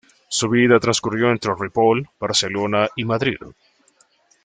Su vida transcurrió entre Ripoll, Barcelona y Madrid.